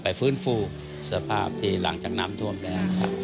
ฟื้นฟูสภาพที่หลังจากน้ำท่วมแล้วครับ